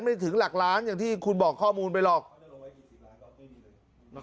ไม่ถึงหลักล้านอย่างที่คุณบอกข้อมูลไปหรอก